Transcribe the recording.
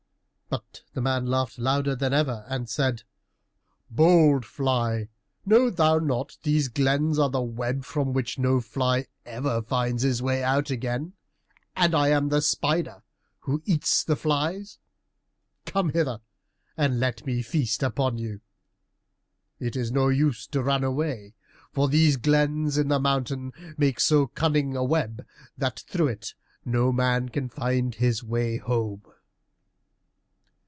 But the strange man laughed louder than ever and said, "Bold fly, know thou not these glens are the web from which no fly ever finds his way out again, and I am the spider who eats the flies? Come hither and let me feast upon you. It is of no use to run away, for these glens in the mountain make so cunning a web, that through it no man can find his way home."